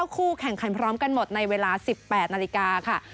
คู่แข่งขันพร้อมกันหมดในเวลา๑๘นาฬิกาค่ะ